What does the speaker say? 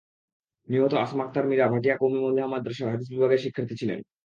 নিহত আছমা আক্তার মীরা ভাটিয়া কওমি মহিলা মাদ্রাসার হাদিস বিভাগের শিক্ষার্থী ছিলেন।